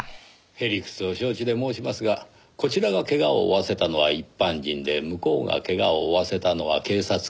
屁理屈を承知で申しますがこちらが怪我を負わせたのは一般人で向こうが怪我を負わせたのは警察官。